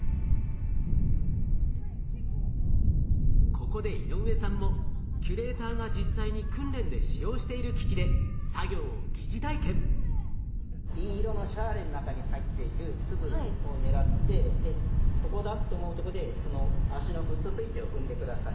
ここで井上さんもキュレーターが実際に訓練で使用している機器で銀色のシャーレの中に入っている粒を狙ってここだと思うとこでその足のフットスイッチを踏んで下さい。